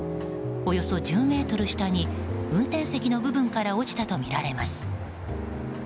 およそ１０ｍ下に運転席の部分から落ちたとみられています。